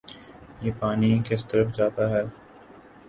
یہ پانی کس طرف جاتا ہے